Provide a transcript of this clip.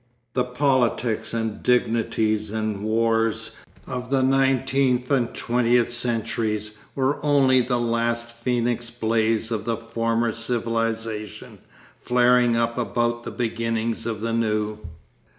The politics and dignities and wars of the nineteenth and twentieth centuries were only the last phoenix blaze of the former civilisation flaring up about the beginnings of the new.